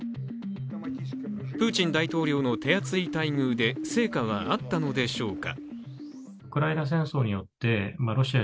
プーチン大統領の手厚い待遇で成果はあったのでしょうか。